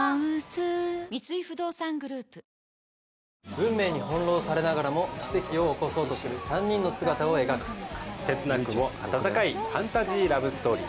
運命に翻弄されながらも奇跡を起こそうとする３人の姿を描く切なくも温かいファンタジーラブストーリー